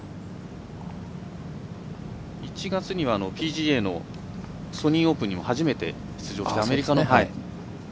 １月にはＰＧＡのソニーオープンにも初めて出場しました。